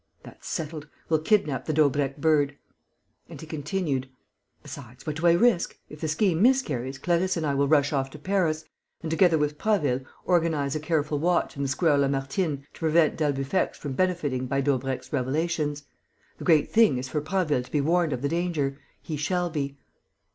That's settled! We'll kidnap the Daubrecq bird." And he continued, "Besides, what do I risk? If the scheme miscarries, Clarisse and I will rush off to Paris and, together with Prasville, organize a careful watch in the Square Lamartine to prevent d'Albufex from benefiting by Daubrecq's revelations. The great thing is for Prasville to be warned of the danger. He shall be."